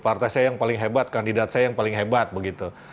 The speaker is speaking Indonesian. partai saya yang paling hebat kandidat saya yang paling hebat begitu